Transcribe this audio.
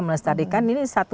menestadikan ini satu